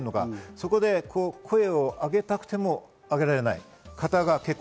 そこで声を上げたくても上げられない方が結構いる。